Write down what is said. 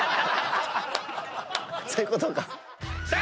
そういうことか。